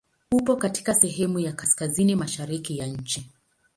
Upo katika sehemu ya kaskazini mashariki ya nchi.